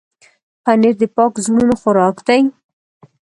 پنېر د پاک زړونو خوراک دی.